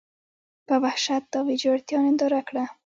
په وحشت دا ویجاړتیا ننداره کړه.